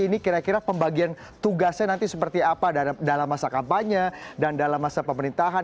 ini kira kira pembagian tugasnya nanti seperti apa dalam masa kampanye dan dalam masa pemerintahan